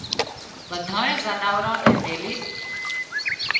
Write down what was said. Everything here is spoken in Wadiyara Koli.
ٻڌانئي زنارانئي ملينَ